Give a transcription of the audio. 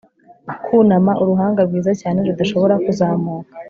Kunama uruhanga rwiza cyane rudashobora kuzamuka